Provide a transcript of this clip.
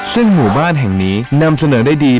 ซึ่งหมู่บ้านแห่งนี้นำเสนอได้ดี